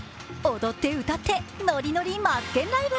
踊って歌って、ノリノリマツケンライブ。